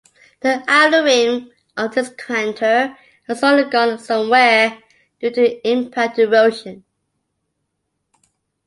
The outer rim of this crater has undergone some wear due to impact erosion.